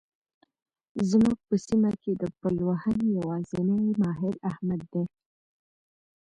زموږ په سیمه کې د پلوهنې يوازنی ماهر؛ احمد دی.